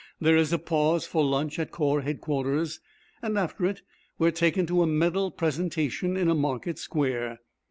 There is a pause for lunch at Corps Headquarters, and after it we are taken to a medal presentation in a market square.